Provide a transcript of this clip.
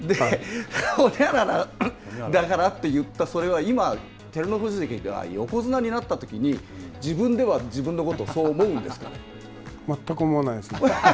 ホニャララだからって言ったそれは今、照ノ富士関が横綱になったときに自分では自分のことを全く思わないですね。